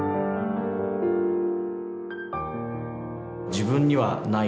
自分にはない。